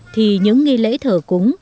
thì những nghi lễ thờ cúng